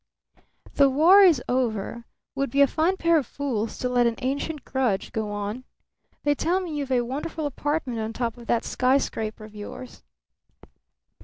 "The war is over. We'd be a fine pair of fools to let an ancient grudge go on. They tell me you've a wonderful apartment on top of that skyscraper of yours."